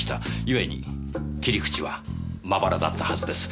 ゆえに切り口はまばらだったはずです。